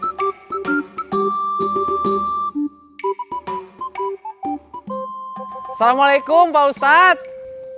moms udah kembali ke tempat yang sama